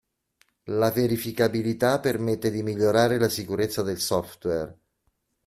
La verificabilità permette di migliorare la sicurezza del software.